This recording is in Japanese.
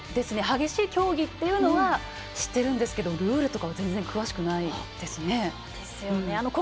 激しい競技と言うのは知っているんですけどルールとかは全然、詳しくないですね。